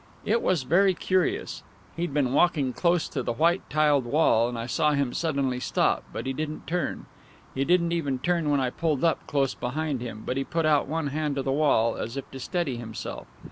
It was very curious. He'd been walking close to the white tiled wall, and I saw him suddenly stop; but he didn't turn. He didn't even turn when I pulled up, close behind him; he put out one hand to the wall, as if to steady himself.